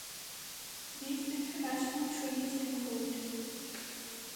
These international treaties include.